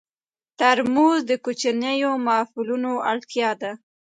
ترموز د کوچنیو محفلونو اړتیا ده.